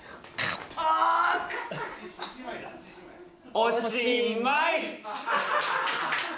おしまい。